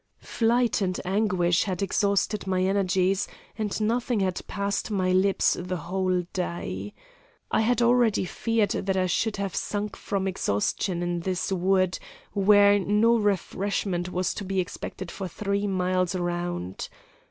Flight and anguish had exhausted my energies, and nothing had passed my lips the whole day. I had already feared that I should have sunk from exhaustion in this wood, where no refreshment was to be expected for three miles round.